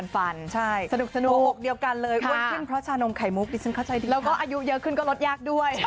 อยากอยู่ค่ะแต่ไม่รู้จะทำได้แค่ไหน